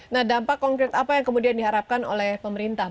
nah dampak konkret apa yang kemudian diharapkan oleh pemerintah